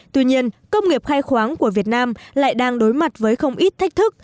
tuy nhiên công nghiệp khai khoáng của việt nam lại đang đối mặt với không ít thách thức